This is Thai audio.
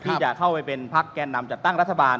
ที่จะเข้าไปเป็นพักแก่นำจัดตั้งรัฐบาล